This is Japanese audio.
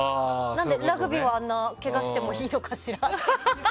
なんでラグビーはあんなにけがしてもいいのかしらって。